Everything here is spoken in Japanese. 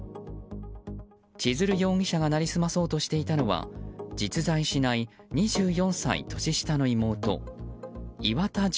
千鶴容疑者が成り済まそうとしていたのは実在しない２４歳年下の妹岩田樹